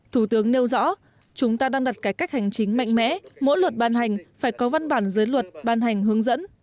thủ tướng nêu rõ chúng ta đang đặt cải cách hành chính mạnh mẽ mỗi luật ban hành phải có văn bản dưới luật ban hành hướng dẫn